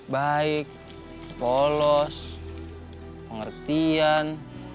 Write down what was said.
baik polos pengertian